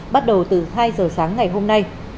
bắt đầu từ hai giờ sáng ngày hôm nay